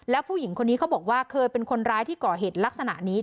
แล้วผู้หญิงคนนี้เขาบอกว่าเคยเป็นคนร้ายที่ก่อเหตุลักษณะนี้